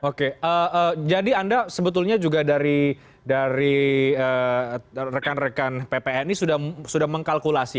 oke jadi anda sebetulnya juga dari rekan rekan ppni sudah mengkalkulasi